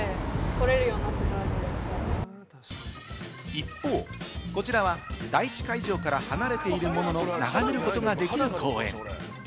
一方、こちらは第１会場から離れているものの、眺めることができる公園。